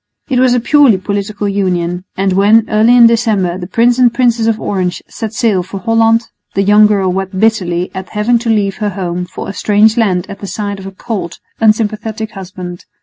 It was a purely political union; and when, early in December, the Prince and Princess of Orange set sail for Holland, the young girl wept bitterly at having to leave her home for a strange land at the side of a cold, unsympathetic husband.